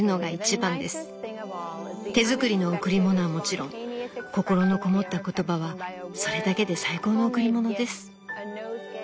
手作りの贈り物はもちろん心のこもった言葉はそれだけで最高の贈り物です。